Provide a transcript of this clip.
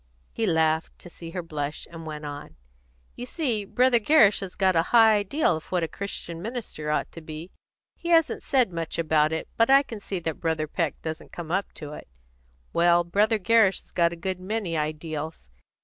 He laughed, to see her blush, and went on. "You see, Brother Gerrish has got a high ideal of what a Christian minister ought to be; he hasn't said much about it, but I can see that Brother Peck doesn't come up to it. Well, Brother Gerrish has got a good many ideals.